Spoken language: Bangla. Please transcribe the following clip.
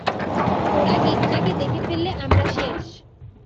ওরা গিকটাকে দেখে ফেললে আমরা শেষ।